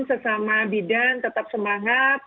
sesama bidan tetap semangat